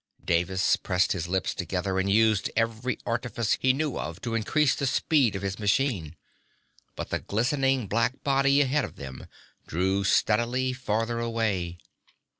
Davis pressed his lips together and used every artifice he knew of to increase the speed of his machine, but the glistening black body ahead of them drew steadily farther away.